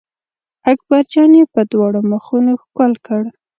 اکبر جان یې په دواړو مخونو ښکل کړ.